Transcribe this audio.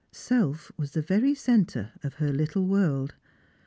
Self was the very centre of her little world.